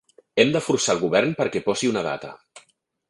Hem de forçar el govern perquè posi una data.